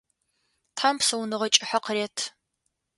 Тхьам псэуныгъэ кӏыхьэ къырет.